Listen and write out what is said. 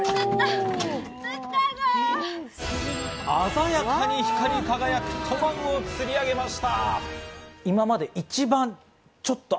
鮮やかに光り輝くトマンを釣り上げました。